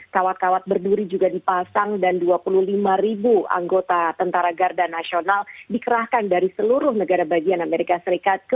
kawat kawat berduri juga dipasang dan dua puluh lima ribu anggota tentara garda nasional dikerahkan dari seluruh negara bagian amerika serikat